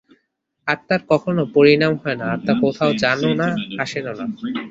আত্মার কখনও পরিণাম হয় না, আত্মা কোথাও যানও না, আসেনও না।